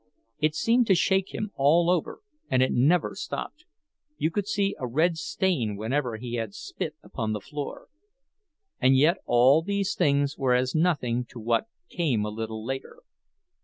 It seemed to shake him all over, and it never stopped; you could see a red stain wherever he had spit upon the floor. And yet all these things were as nothing to what came a little later.